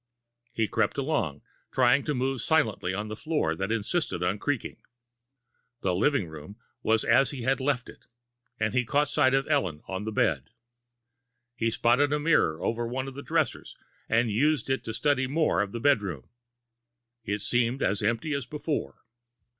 He crept along, trying to move silently on floors that insisted on creaking. The living room was as he had left it, and he caught sight of Ellen on the bed. He spotted a mirror over one of the dressers, and used that to study more of the bedroom. It seemed as empty as before.